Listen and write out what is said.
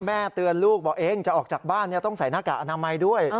เตือนลูกบอกเองจะออกจากบ้านต้องใส่หน้ากากอนามัยด้วย